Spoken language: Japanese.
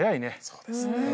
そうですね。